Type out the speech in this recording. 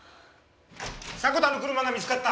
迫田の車が見つかった！